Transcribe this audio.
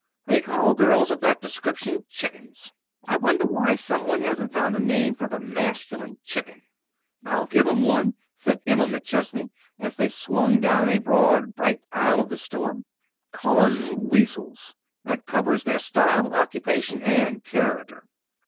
They call girls of that description chickens. I wonder why some one hasn't found a name for the masculine chicken." [Illustration: "'Well, s'long, then, Shrimp. See you at eight'"] "I'll give 'em one," said Emma McChesney as they swung down a broad, bright aisle of the store. "Call 'em weasels. That covers their style, occupation, and character."